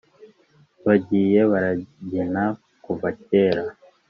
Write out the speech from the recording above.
bagiye baregana kuva kera